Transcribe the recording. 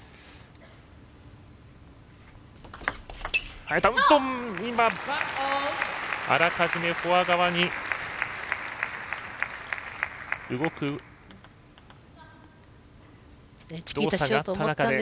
早田、あらかじめフォア側に動く動作があった中で。